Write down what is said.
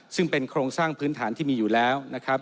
ซึ่งเป็นโครงสร้างพื้นฐานที่มีอยู่แล้วนะครับ